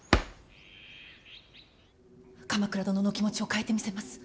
鎌倉殿のお気持ちを変えてみせます。